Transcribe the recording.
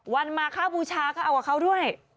มาข้าวบูชาก็เอากับเขาด้วย